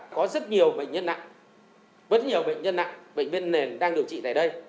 có rất nhiều bệnh nhân nặng rất nhiều bệnh nhân nặng bệnh viên nền đang điều trị tại đây